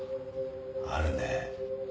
あるね。